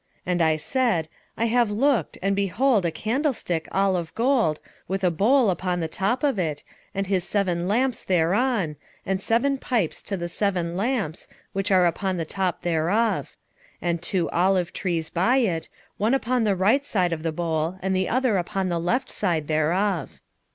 And I said, I have looked, and behold a candlestick all of gold, with a bowl upon the top of it, and his seven lamps thereon, and seven pipes to the seven lamps, which are upon the top thereof: 4:3 And two olive trees by it, one upon the right side of the bowl, and the other upon the left side thereof.